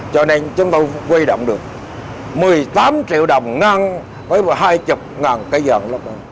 cho nên chúng tôi quy động được một mươi tám triệu đồng năng với hai mươi ngàn cây dần